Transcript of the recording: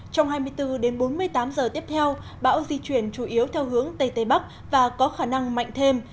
trong hai mươi bốn đến bốn mươi tám giờ tiếp theo bão di chuyển chủ yếu theo hướng tây tây bắc và có khả năng mạnh thêm